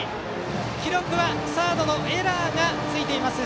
記録はサードのエラーがついています。